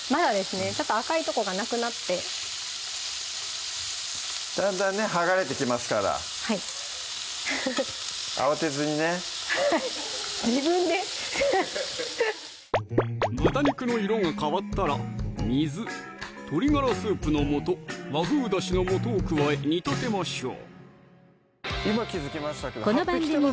ちょっと赤いとこがなくなってだんだんね剥がれてきますから慌てずにね自分で？豚肉の色が変わったら水・鶏ガラスープの素・和風だしの素を加え煮立てましょう